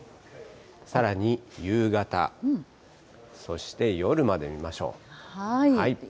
さらに夕方、そして夜まで見ましょう。